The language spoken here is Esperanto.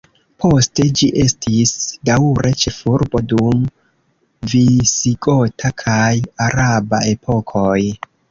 Poste ĝi estis daŭre ĉefurbo dum visigota kaj araba epokoj.